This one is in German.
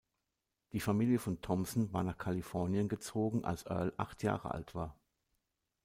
Die Familie von Thomson war nach Kalifornien gezogen, als Earl acht Jahre alt war.